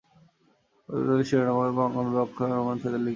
কবিতাগুলির শিরোনামা এবং আরম্ভের অক্ষর রোম্যান ছাঁদে লিখিত।